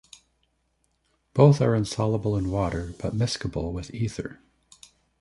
Both are insoluble in water, but miscible with ether.